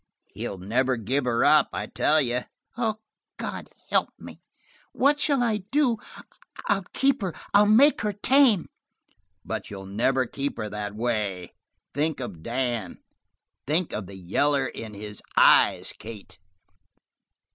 "He'll never give her up, I tell you." "Oh, God help me. What shall I do? I'll keep her! I'll make her tame." "But you'll never keep her that way. Think of Dan. Think of the yaller in his eyes, Kate."